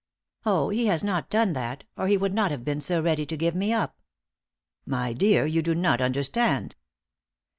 "Oh, he has not done that, or he would not have been so ready to give me up." "My dear, you do not understand."